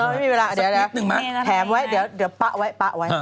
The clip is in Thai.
ไม่มีเวลาเดี๋ยวแถมไว้เดี๋ยวปะไว้ปะไว้